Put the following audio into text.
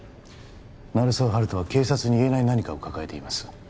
鳴沢温人は警察に言えない何かを抱えています